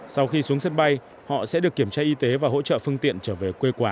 sau khi xuống sân bay họ sẽ được kiểm tra y tế và hỗ trợ phương tiện trở về quê quán